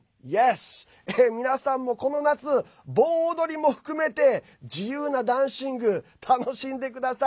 皆さんもこの夏、盆踊りも含めて自由なダンシング楽しんでください！